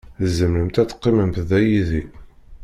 Tzemremt ad teqqimemt da yid-i